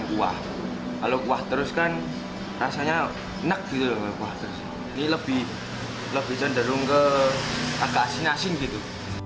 kuah kalau kuah terus kan rasanya enak gitu ini lebih lebih cenderung ke agak asin asin gitu